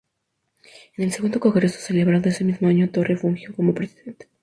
En el segundo Congreso, celebrado ese mismo año, Torre fungió como presidenta.